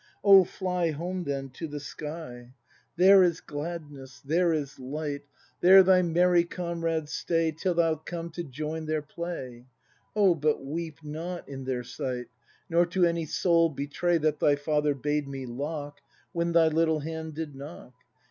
Oh, fly home then to the sky. 198 BRAND [act iv There is gladness, there is light, There thy merry comrades stay Till thou come to join their play. Oh, but weep not in their sight. Nor to any soul betray That thy father bade me lock. When thy little hand did knock.